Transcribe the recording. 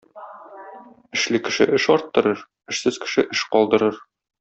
Эшле кеше эш арттырыр, эшсез кеше эш калдырыр.